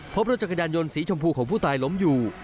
พบรถจักรยานยนต์สีชมพูของผู้ตายล้มอยู่